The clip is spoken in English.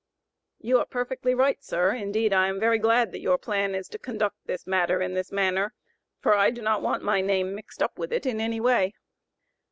"You are perfectly right, Sir, indeed I am very glad that your plan is to conduct this matter in this manner, for I do not want my name mixed up with it in any way."